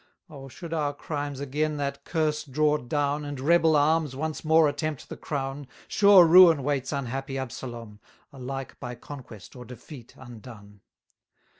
Oh! should our crimes again that curse draw down, And rebel arms once more attempt the crown, Sure ruin waits unhappy Absalom, Alike by conquest or defeat undone.